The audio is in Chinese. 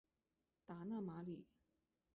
达讷马里。